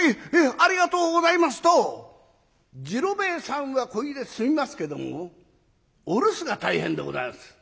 ありがとうございます」と次郎兵衛さんはこれで済みますけどもお留守が大変でございます。